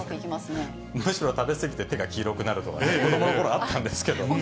むしろ食べ過ぎて手が黄色くなるとか、子どものころあったんですけど。